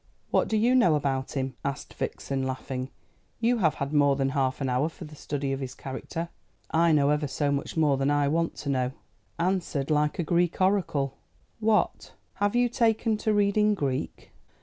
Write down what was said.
"What do you know about him?" asked Vixen laughing. "You have had more than half an hour for the study of his character." "I know ever so much more than I want to know." "Answered like a Greek oracle." "What, have you taken to reading Greek?"